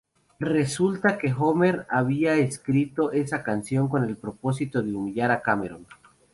Resulta que Homer había escrito esa canción con el propósito de humillar a Cameron.